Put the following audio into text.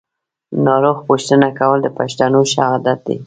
ناروغ پوښتنه کول د پښتنو ښه عادت دی.